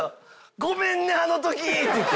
「ごめんねあの時！」って言って。